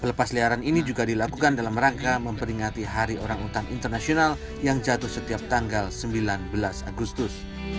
pelepas liaran ini juga dilakukan dalam rangka memperingati hari orang utan internasional yang jatuh setiap tanggal sembilan belas agustus